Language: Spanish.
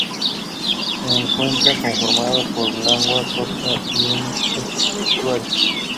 Se encuentra conformado por una laguna costera y un estuario.